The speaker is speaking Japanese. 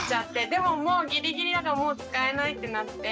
でももうギリギリだからもう使えないってなって。